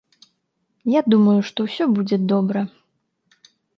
Я думаю, што ўсё будзе добра.